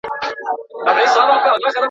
علمي پلټنه موږ ته دا راښيي چي نړۍ څنګه کار کوي.